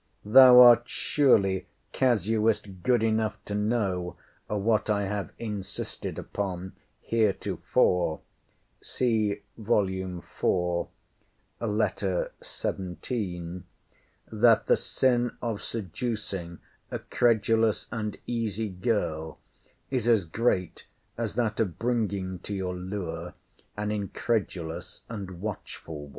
Thou art, surely, casuist good enough to know, (what I have insisted upon* heretofore,) that the sin of seducing a credulous and easy girl, is as great as that of bringing to your lure an incredulous and watchful one.